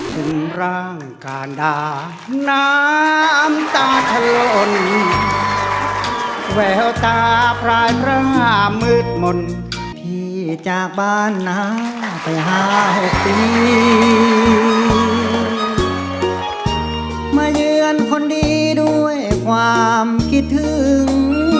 เพื่อร้องร้ายให้ร้าง